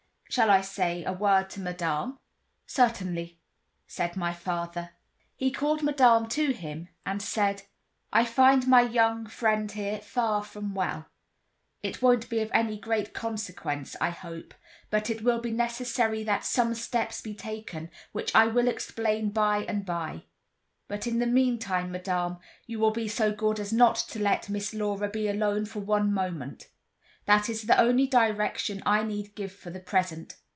"Shall I say a word to Madame?" "Certainly," said my father. He called Madame to him, and said: "I find my young friend here far from well. It won't be of any great consequence, I hope; but it will be necessary that some steps be taken, which I will explain by and by; but in the meantime, Madame, you will be so good as not to let Miss Laura be alone for one moment. That is the only direction I need give for the present.